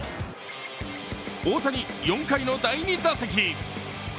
大谷、４回の第２打席。